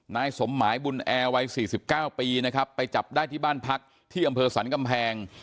นายสมหมายบุญแอร์วัย๔๙ปีนะครับไปจับได้ที่บ้านพักที่อำเภอสรรกำแพง